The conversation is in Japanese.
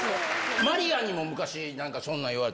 マリアンにも、昔、なんかそんなん言われた。